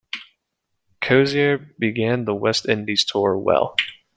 Cosier began the West Indies tour well.